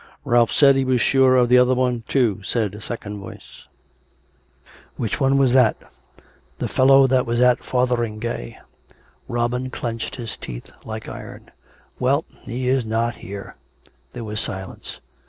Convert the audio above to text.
" Ralph said he was sure of the other one, too," said a second voice. " Which was that one .''"" The fellow that was at Fotheringay." (Robin clenched his teeth like iron.) " Well, he is not here." There was silence.